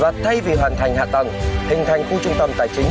và thay vì hoàn thành hạ tầng hình thành khu trung tâm tài chính